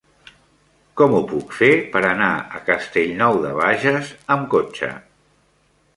Com ho puc fer per anar a Castellnou de Bages amb cotxe?